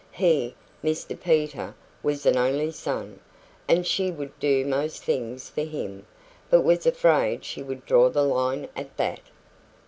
He, Mr Peter, was an only son, and she would do most things for him, but he was afraid she would draw the line at that.